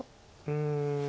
うん。